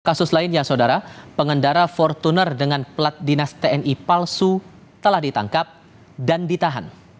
kasus lainnya saudara pengendara fortuner dengan pelat dinas tni palsu telah ditangkap dan ditahan